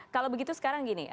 kalau begitu sekarang gini